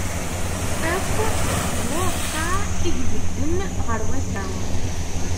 Akk d ureqqeɛ i ibedden ɣer wass-a.